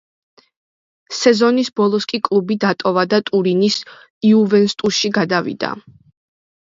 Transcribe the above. სეზონის ბოლოს კი კლუბი დატოვა და ტურინის „იუვენტუსში“ გადავიდა.